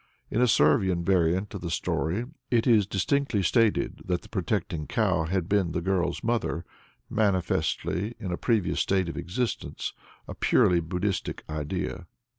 In a Servian variant of the story, it is distinctly stated that the protecting cow had been the girl's mother manifestly in a previous state of existence, a purely Buddhistic idea.